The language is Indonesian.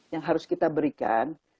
yang harus kita berikan